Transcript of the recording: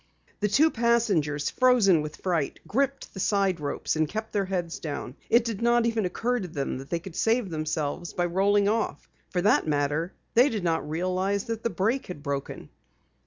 The two passengers, frozen with fright, gripped the side ropes, and kept their heads down. It did not even occur to them that they could save themselves by rolling off. For that matter, they did not realize that the brake had broken.